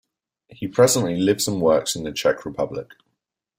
He presently lives and works in the Czech Republic.